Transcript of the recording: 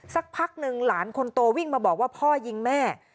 สักพักหนึ่งหลานคนโตวิ่งมาบอกว่าพ่อยิงแม่